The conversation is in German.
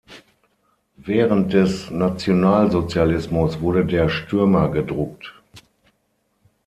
Während des Nationalsozialismus wurde der "Stürmer" gedruckt.